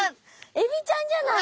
エビちゃんじゃない？